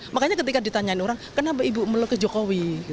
makanya ketika ditanyain orang kenapa ibu melukis jokowi